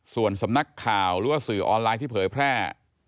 ส่วนสำนักข่าวหรือว่าสื่อออนไลน์ที่เผยแพร่